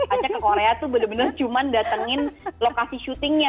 aja ke korea tuh bener bener cuman datengin lokasi syutingnya